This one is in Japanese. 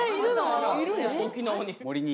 沖縄に。